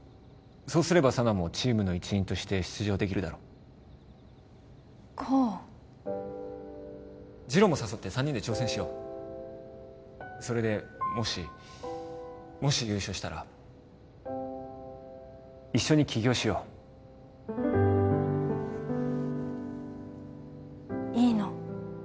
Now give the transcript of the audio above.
そうすれば佐奈もチームの一員として出場できるだろ功次郎も誘って三人で挑戦しようそれでもしもし優勝したら一緒に起業しよういいの？